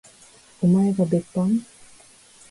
おまえが別班？